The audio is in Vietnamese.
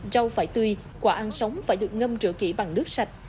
rau phải tươi quả ăn sống phải được ngâm rửa kỹ bằng nước sạch